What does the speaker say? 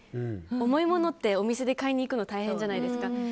重いものってお店に買いに行くの大変じゃないですか。